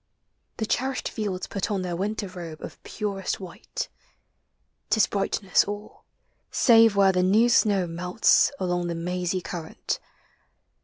The cherished fields Put on their winter robe of purest white. *T is brightness all; save where the new snow melts Along the mazy current.